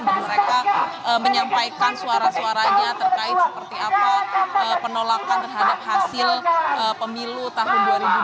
dan mereka menyampaikan suara suaranya terkait seperti apa penolakan terhadap hasil pemilu tahun dua ribu dua puluh empat